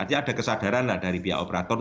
artinya ada kesadaran nggak dari pihak operator